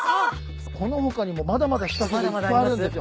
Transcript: この他にもまだまだ仕掛けがいっぱいあるんですよ。